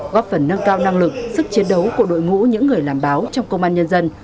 góp phần nâng cao năng lực sức chiến đấu của đội ngũ những người làm báo trong công an nhân dân